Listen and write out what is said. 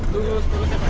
lulus lulus ya pak ya